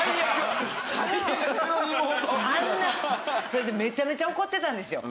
それでめちゃめちゃ怒ってたんですよ。